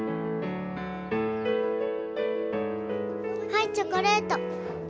はいチョコレート。